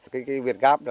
cái việt gáp